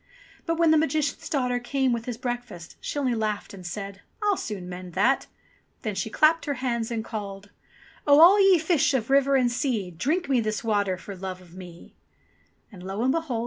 NIX NAUGHT NOTHING 185 But when the Magician's daughter came with his break fast she only laughed and said, "I'll soon mend that !" Then she clapped her hands and called : "Oh ! all ye fish of river and sea, Drink me this water for love of me I" And lo and behold